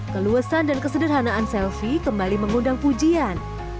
keluasan dan kesederhanaan selfie kembali mengundang pujian